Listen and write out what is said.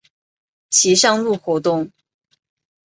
其上路活动。